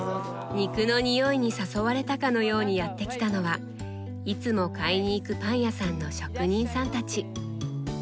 肉の匂いに誘われたかのようにやって来たのはいつも買いに行くパン屋さんの職人さんたち。